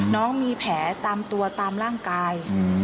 น้องมีแผลตามตัวตามร่างกาย